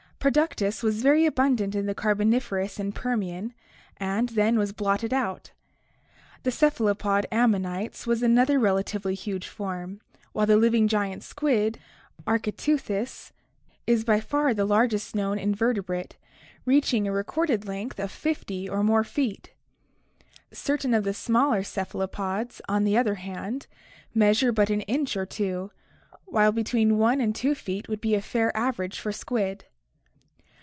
Productus was very abundant in the Carboniferous and Permian and then was blotted out. The cephalopod Am monites was another relatively huge form, while the living giant squid, ArckUeuthis, is by far the largest known invertebrate, reaching a recorded length of 50 or more feet. Certain of the smaller cephalopods, on the other hand, measure but an inch or two, while between 1 and 2 feet would be a fair average for squid.